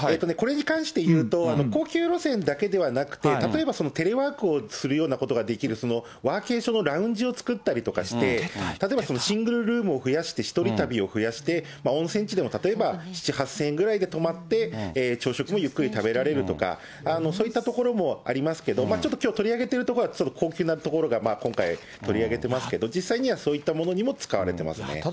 これに関して言うと、高級路線だけではなくて、例えば、テレワークをするようなことができる、ワーケーションのラウンジを作ったりとかして、例えば、シングルルームを増やして一人旅を増やして、温泉地でも例えば、７、８０００円ぐらいで泊まって、朝食もゆっくり食べられるとか、そういったところもありますけど、ちょっときょう、取り上げているところは高級な所が今回、取り上げてますけど、実際にはそういったものにも使われてますね。